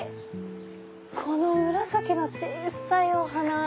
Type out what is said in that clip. この紫の小さいお花。